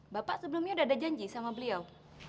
bapak sebelumnya udah ada janji sama beliau